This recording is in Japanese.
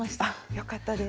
よかったです。